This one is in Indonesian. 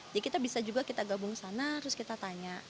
jadi kita bisa juga kita gabung ke sana terus kita tanya